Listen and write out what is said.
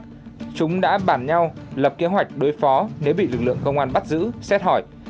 bắt giữ người khác nhau lập kế hoạch đối phó nếu bị lực lượng công an bắt giữ xét hỏi